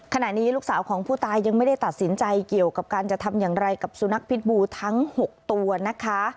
ขณะนี้ลูกสาวของผู้ตายยังไม่ได้ตัดสินใจเกี่ยวกับการจะทำอย่างไรกับสุนัขพิษบูทั้ง๖ตัวนะคะ